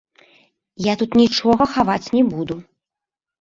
Я тут нічога хаваць не буду.